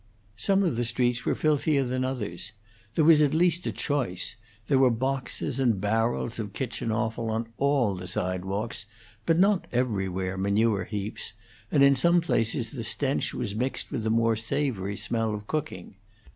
Some of the streets were filthier than others; there was at least a choice; there were boxes and barrels of kitchen offal on all the sidewalks, but not everywhere manure heaps, and in some places the stench was mixed with the more savory smell of cooking.